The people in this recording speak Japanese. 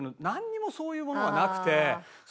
なんにもそういうものがなくて。